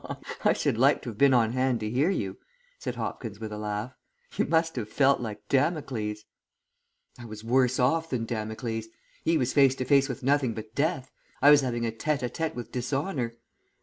"I should like to have been on hand to hear you," said Hopkins with a laugh. "You must have felt like Damocles!" "I was worse off than Damocles. He was face to face with nothing but death. I was having a tête à tête with dishonour.